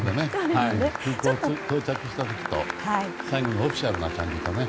到着した時と最後のオフィシャルな感じがね。